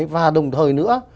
và đồng thời nữa